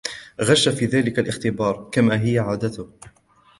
غشّ في ذلك الاختبار ، كما هي عادته.